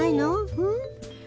うん？